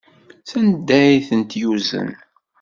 Sanda ay ten-yuzen?